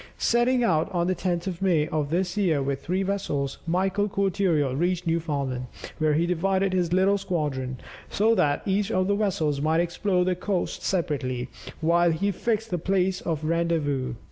Setting out on the 10th of May of this year with three vessels, Michael Cortereal reached Newfoundland, where he divided his little squadron, so that each of the vessels might explore the coasts separately, while he fixed the place of rendezvous.